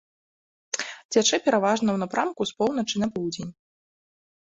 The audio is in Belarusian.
Цячэ пераважна ў напрамку з поўначы на поўдзень.